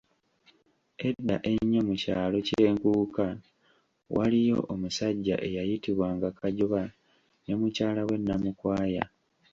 Edda ennyo mu kyalo kye Nkuuka, waliyo omusajja eyayitibwa nga Kajoba ne mukyala we Namukwaya